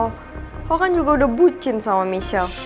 lo kan juga udah bucin sama michelle